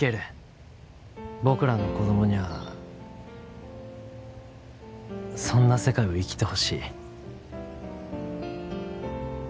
僕らの子供にゃあそんな世界を生きてほしい。